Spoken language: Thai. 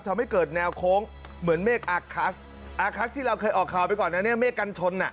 ทำให้เกิดแนวโค้งเหมือนเมฆอาคัสอาคัสที่เราเคยออกข่าวไปก่อนนะเนี่ยเมฆกันชนอ่ะ